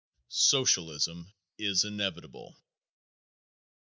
_Socialism Is Inevitable.